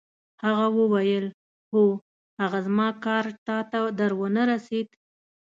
هغه وویل: هو، هغه زما کارډ تا ته در ونه رسید؟